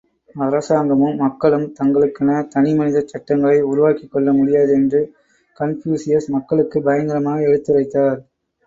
அரசாங்கமும், மக்களும் தங்களுக்கென தனி மதச் சட்டங்களை உருவாக்கிக்கொள்ள முடியாது என்று கன்பூசியஸ் மக்களுக்கும் பகிரங்கமாக எடுத்துரைத்தார்.